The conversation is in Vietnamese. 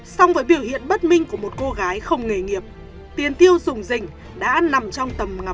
xong với biểu hiện bất minh của một cô gái không nghề nghiệp tiền tiêu dùng dịnh đã ăn nằm trong